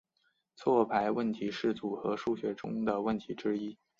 错排问题是组合数学中的问题之一。